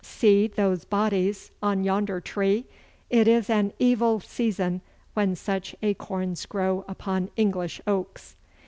See those bodies on yonder tree. It is an evil season when such acorns grow upon English oaks.